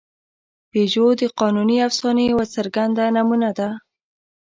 پيژو د قانوني افسانې یوه څرګنده نمونه ده.